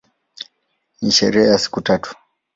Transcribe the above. Ni sherehe ya siku tatu.